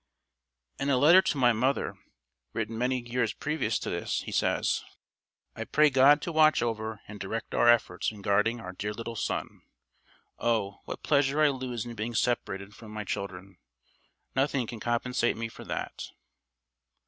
In a letter to my mother, written many years previous to this, he says: "I pray God to watch over and direct our efforts in guarding our dear little son. ... Oh, what pleasure I lose in being separated from my children! Nothing can compensate me for that.